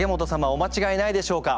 お間違えないでしょうか？